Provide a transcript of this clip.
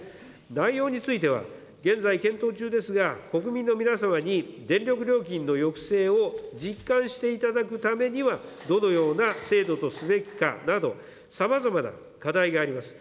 内容については、現在検討中ですが、国民の皆様に、電力料金の抑制を実感していただくためには、どのような制度とすべきかなど、さまざまな課題があります。